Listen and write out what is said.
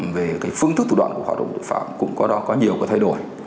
về phương thức thủ đoạn của hoạt động của tội phạm cũng có nhiều thay đổi